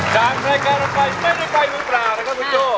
จากรายการเราไปไม่ได้ไปมือเปล่านะครับคุณโจ้